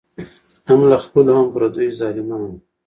هم له خپلو هم پردیو ظالمانو